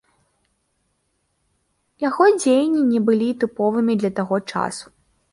Яго дзеянні не былі тыповымі для таго часу.